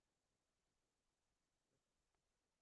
زده کړه ښځه د مالي فشار په وړاندې مقاومت لري.